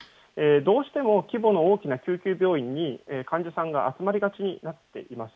どうしても規模の大きな救急病院に患者さんが集まりがちになっています。